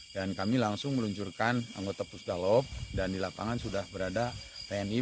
dan kami langsung meluncurkan anggota pusdalop dan di lapangan sudah berada tni